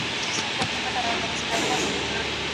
فارمسي پوهنځۍ په اسانۍ سره نه منظوریږي.